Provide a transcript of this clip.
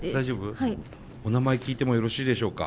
お名前聞いてもよろしいでしょうか？